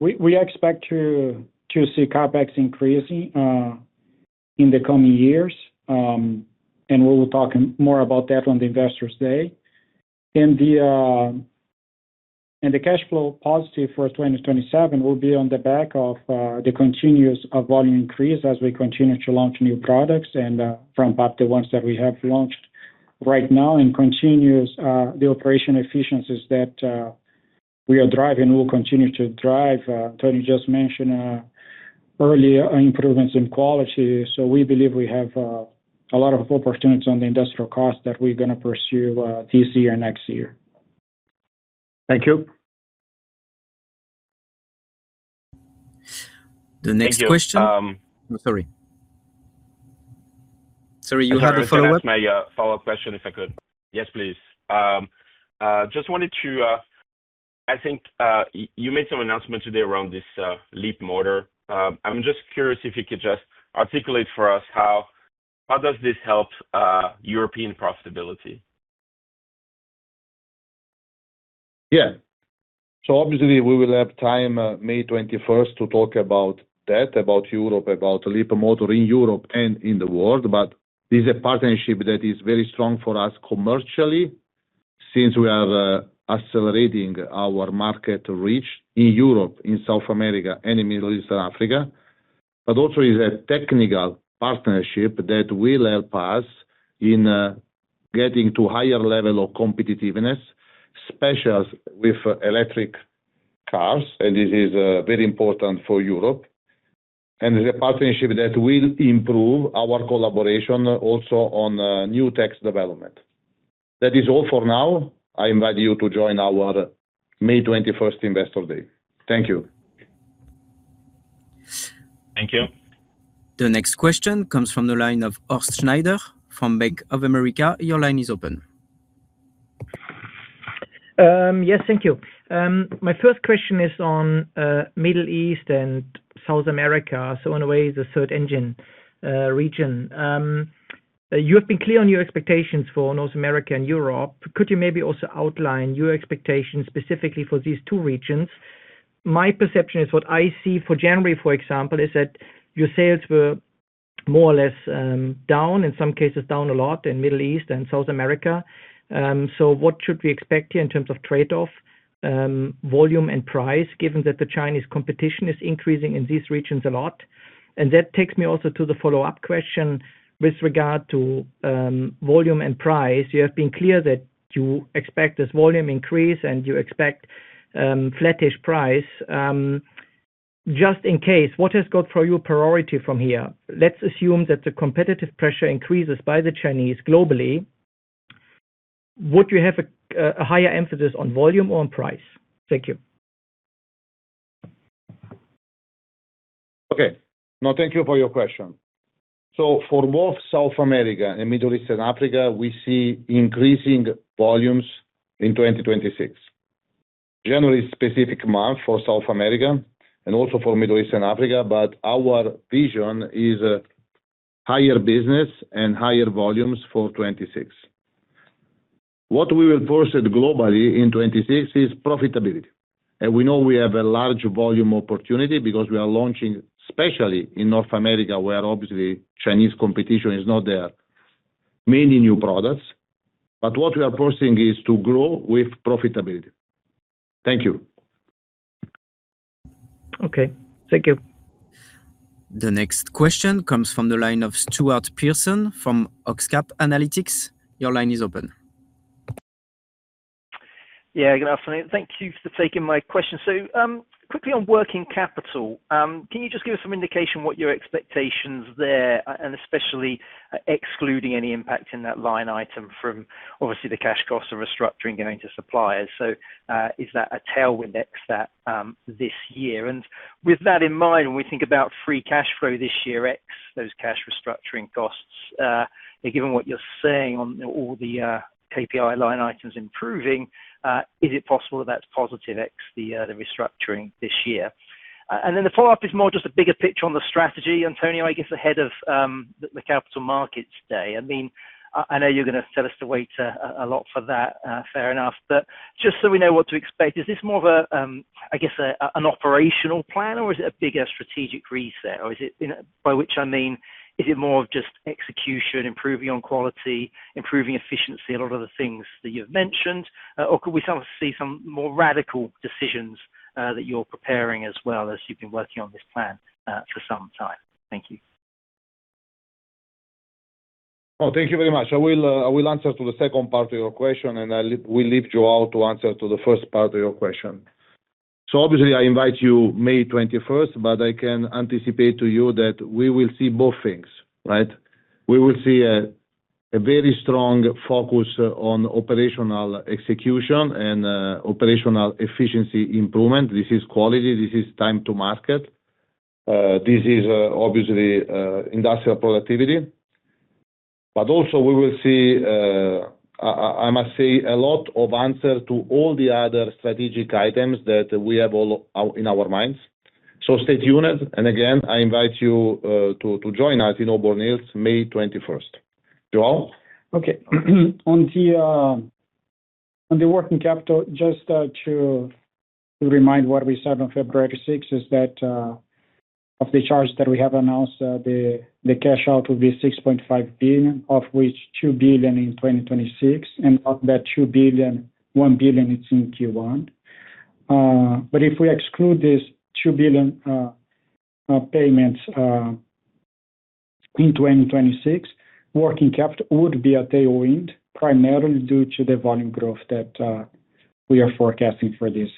We expect to see CapEx increasing in the coming years. We will talk more about that on the Investor's Day. The cash flow positive for 2027 will be on the back of the continuous of volume increase as we continue to launch new products and ramp up the ones that we have launched right now, and continues the operation efficiencies that we are driving will continue to drive. Antonio just mentioned earlier improvements in quality, so we believe we have a lot of opportunities on the industrial cost that we're gonna pursue this year, next year. Thank you. The next question Thank you. Sorry. Sorry, you had a follow-up? I can ask my follow-up question, if I could. Yes, please. I think you made some announcements today around this Leapmotor. I'm just curious if you could just articulate for us how does this help European profitability? Yeah. Obviously, we will have time, May 21st to talk about that, about Europe, about Leapmotor in Europe and in the world. This is a partnership that is very strong for us commercially, since we are accelerating our market reach in Europe, in South America, and in Middle East and Africa. Also is a technical partnership that will help us in getting to higher level of competitiveness, especially with electric cars, this is very important for Europe. It's a partnership that will improve our collaboration also on new tech development. That is all for now. I invite you to join our May 21st Investor Day. Thank you. Thank you. The next question comes from the line of Horst Schneider from Bank of America. Your line is open. Yes, thank you. My first question is on Middle East and South America, so in a way, the third engine region. You have been clear on your expectations for North America and Europe. Could you maybe also outline your expectations specifically for these two regions? My perception is what I see for January, for example, is that your sales were more or less down, in some cases, down a lot in Middle East and South America. What should we expect here in terms of trade-off volume and price, given that the Chinese competition is increasing in these regions a lot? That takes me also to the follow-up question with regard to volume and price. You have been clear that you expect this volume increase, and you expect flattish price. Just in case, what has got for you priority from here? Let's assume that the competitive pressure increases by the Chinese globally. Would you have a higher emphasis on volume or on price? Thank you. Okay. No, thank you for your question. For both South America and Middle East and Africa, we see increasing volumes in 2026. Generally specific month for South America and also for Middle East and Africa. Our vision is higher business and higher volumes for 2026. What we will pursue globally in 2026 is profitability. We know we have a large volume opportunity because we are launching, especially in North America, where obviously Chinese competition is not there, many new products. What we are pursuing is to grow with profitability. Thank you. Okay, thank you. The next question comes from the line of Stuart Pearson from Oxcap Analytics. Your line is open. Good afternoon. Thank you for taking my question. Quickly on working capital, can you just give us some indication what your expectations there, and especially excluding any impact in that line item from obviously the cash costs of restructuring going to suppliers? Is that a tailwind ex that this year? With that in mind, when we think about free cash flow this year, ex those cash restructuring costs, given what you're saying on all the KPI line items improving, is it possible that that's positive ex the restructuring this year? The follow-up is more just a bigger picture on the strategy, Antonio, I guess, ahead of the capital markets day. I mean, I know you're going to tell us to wait a lot for that, fair enough. Just so we know what to expect, is this more of a, I guess, an operational plan, or is it a bigger strategic reset? By which I mean, is it more of just execution, improving on quality, improving efficiency, a lot of the things that you've mentioned, or could we sort of see some more radical decisions, that you're preparing as well as you've been working on this plan, for some time? Thank you. Thank you very much. I will answer to the second part of your question, and I will leave Joao to answer to the first part of your question. Obviously, I invite you May 21st, but I can anticipate to you that we will see both things, right? We will see a very strong focus on operational execution and operational efficiency improvement. This is quality, this is time to market, this is obviously industrial productivity. Also we will see, I must say, a lot of answer to all the other strategic items that we have all out in our minds. Stay tuned, and again, I invite you to join us in Auburn Hills, May 21st. Joao? Okay. On the working capital, just to remind what we said on February 6th, is that of the charge that we have announced, the cash out will be 6.5 billion, of which 2 billion in 2026, and of that 2 billion, 1 billion is in Q1. If we exclude this 2 billion payments in 2026, working capital would be a tailwind, primarily due to the volume growth that we are forecasting for this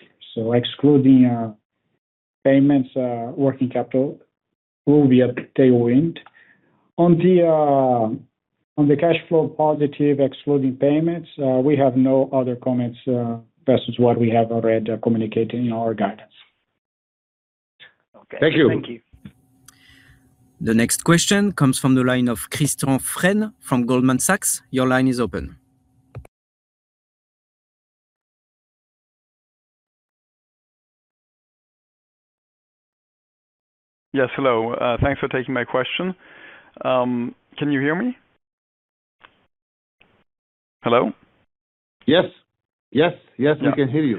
year. Excluding payments, working capital will be a tailwind. On the cash flow positive, excluding payments, we have no other comments versus what we have already communicated in our guidance. Okay. Thank you. Thank you. The next question comes from the line of Christian Frenes from Goldman Sachs. Your line is open. Yes, hello. Thanks for taking my question. Can you hear me? Hello? Yes. Yes, yes, we can hear you.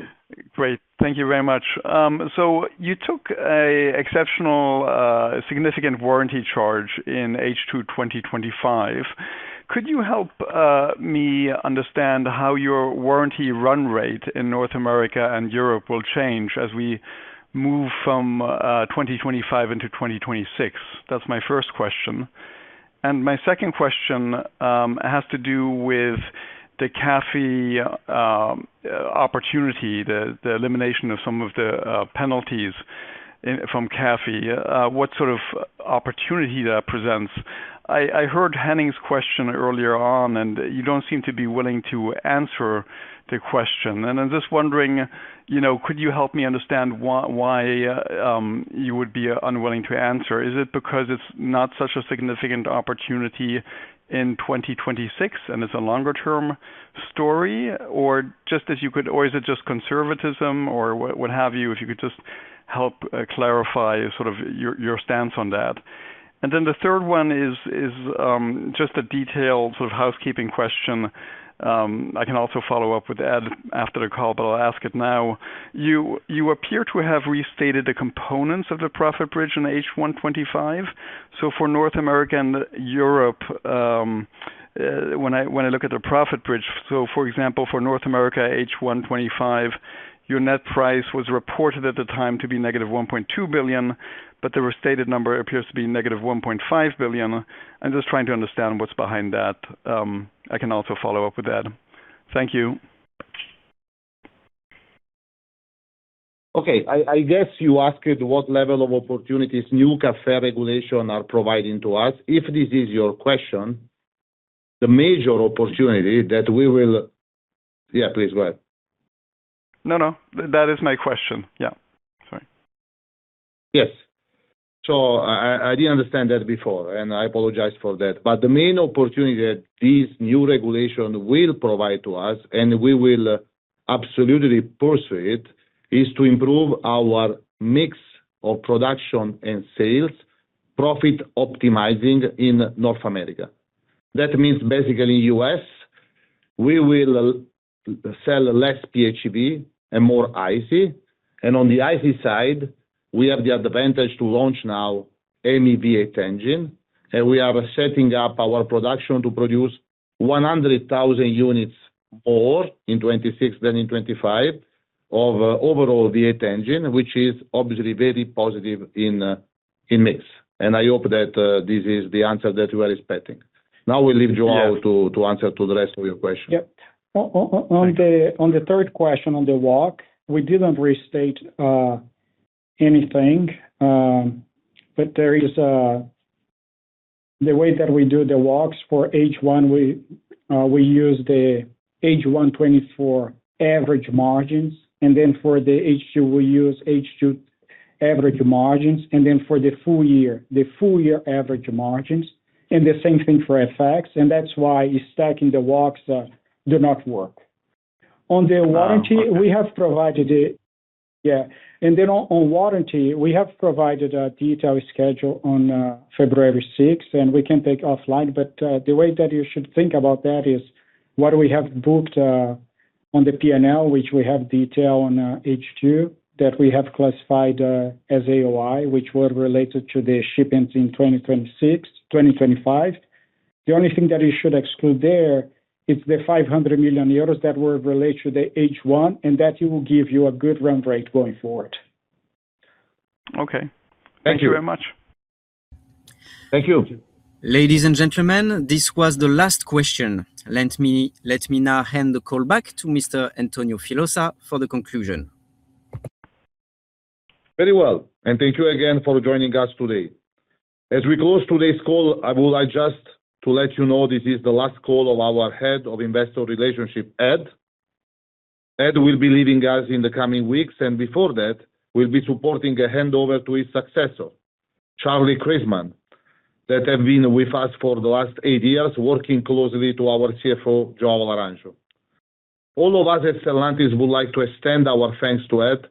Great. Thank you very much. You took a exceptional significant warranty charge in H2 2025. Could you help me understand how your warranty run rate in North America and Europe will change as we move from 2025 into 2026? That's my first question. My second question has to do with the CAFE opportunity, the elimination of some of the penalties from CAFE. What sort of opportunity that presents? I heard Henning's question earlier on, you don't seem to be willing to answer the question. I'm just wondering, you know, could you help me understand why you would be unwilling to answer? Is it because it's not such a significant opportunity in 2026 and it's a longer-term story, or is it just conservatism or what have you? If you could just help clarify your stance on that. The third one is just a detailed sort of housekeeping question. I can also follow up with Ed after the call, but I'll ask it now. You appear to have restated the components of the profit bridge in H1 2025. For North America and Europe, when I look at the profit bridge, for example, for North America, H1 2025, your net price was reported at the time to be negative 1.2 billion, but the restated number appears to be negative 1.5 billion. I'm just trying to understand what's behind that. I can also follow up with Ed. Thank you. Okay, I guess you asked what level of opportunities new CAFE regulation are providing to us. If this is your question, the major opportunity that we will. Yeah, please go ahead. No, no, that is my question. Yeah, sorry. Yes. I didn't understand that before, and I apologize for that. The main opportunity that this new regulation will provide to us, and we will absolutely pursue it, is to improve our mix of production and sales, profit optimizing in North America. That means basically U.S., we will sell less PHEV and more ICE. On the ICE side, we have the advantage to launch now any V8 engine, and we are setting up our production to produce 100,000 units more in 2026 than in 2025 of overall V8 engine, which is obviously very positive in mix. I hope that this is the answer that you are expecting. Now, we leave Joao to answer to the rest of your question. Yep. On the third question, on the walk, we didn't restate anything. But there is the way that we do the walks for H1, we use the H1 2024 average margins, and then for the H2, we use H2 average margins, and then for the full year, the full year average margins, and the same thing for FX. That's why stacking the walks do not work. On the warranty, we have provided it. Yeah, on warranty, we have provided a detailed schedule on February sixth, and we can take offline. The way that you should think about that is what we have booked on the P&L, which we have detailed on H2, that we have classified as AOI, which were related to the shipments in 2026, 2025. The only thing that you should exclude there is the 500 million euros that were related to the H1, and that will give you a good run rate going forward. Okay. Thank you very much. Thank you. Ladies and gentlemen, this was the last question. Let me now hand the call back to Mr. Antonio Filosa for the conclusion. Very well, and thank you again for joining us today. As we close today's call, I would like just to let you know this is the last call of our Head of Investor Relations, Ed Ditmire. Ed will be leaving us in the coming weeks, and before that, will be supporting a handover to his successor, Charles Creasman, that have been with us for the last 8 years, working closely to our CFO, Joao Laranjo. All of us at Stellantis would like to extend our thanks to Ed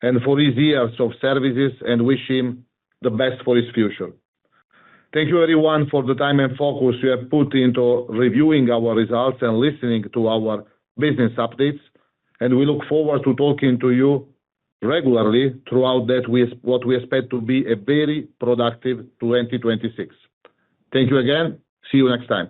and for his years of services, and wish him the best for his future. Thank you everyone for the time and focus you have put into reviewing our results and listening to our business updates, and we look forward to talking to you regularly throughout that, with what we expect to be a very productive 2026. Thank you again. See you next time.